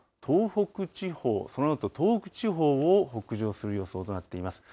そのあと東北地方を北上する予想となっています。